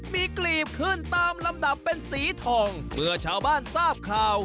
มีกลีบขึ้นตามลำดับเป็นสีทองเมื่อชาวบ้านทราบข่าว